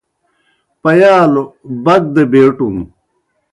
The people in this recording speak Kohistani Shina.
پیالوْ بک دہ بیٹُن۔